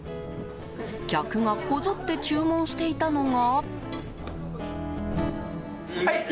客が、こぞって注文していたのが。